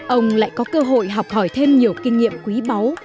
ông lại có cơ hội học hỏi thêm nhiều kinh nghiệm quý báu